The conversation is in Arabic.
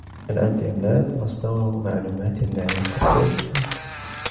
الإنترنت مصدرُ معلوماتٍ لا يقدر بثمن.